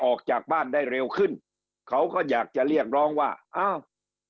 ออกจากบ้านได้เร็วขึ้นเขาก็อยากจะเรียกร้องว่าอ้าว